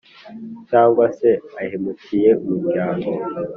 Cyangwa se ahemukiye umuryango